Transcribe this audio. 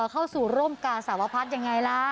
เข้าสู่ร่มกาสาวพัฒน์ยังไงล่ะ